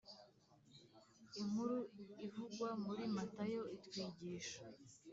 Inkuru ivugwa muri Matayo itwigisha